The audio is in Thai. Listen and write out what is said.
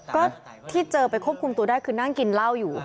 ก็ที่เจอไปควบคุมตัวได้คือนั่งกินเหล้าอยู่